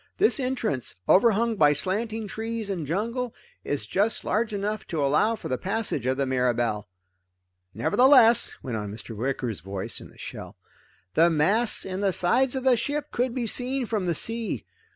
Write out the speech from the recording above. This entrance, overhung by slanting trees and jungle, is just large enough to allow for the passage of the Mirabelle. "Nevertheless," went on Mr. Wicker's voice in the shell, "the masts and the sides of the ship could be seen from the sea.